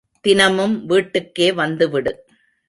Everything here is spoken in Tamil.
தினமும் வீட்டுக்கே வந்துவிடு.